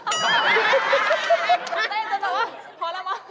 มาจะเต้นแล้วเราต้องพอแล้วมา